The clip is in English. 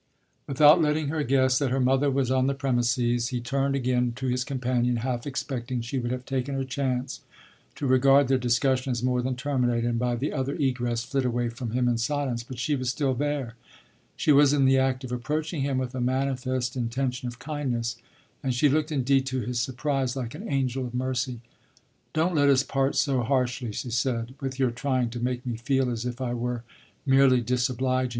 Without letting her guess that her mother was on the premises he turned again to his companion, half expecting she would have taken her chance to regard their discussion as more than terminated and by the other egress flit away from him in silence. But she was still there; she was in the act of approaching him with a manifest intention of kindness, and she looked indeed, to his surprise, like an angel of mercy. "Don't let us part so harshly," she said "with your trying to make me feel as if I were merely disobliging.